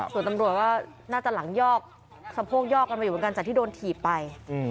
ส่วนตำรวจก็น่าจะหลังยอกสะโพกยอกกันมาอยู่เหมือนกันจากที่โดนถีบไป